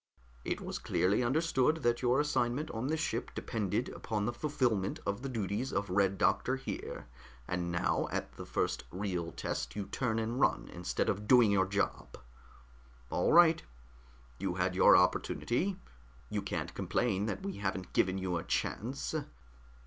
"It was clearly understood that your assignment on this ship depended upon the fulfillment of the duties of Red Doctor here, and now at the first real test you turn and run instead of doing your job. All right. You had your opportunity. You can't complain that we haven't given you a chance.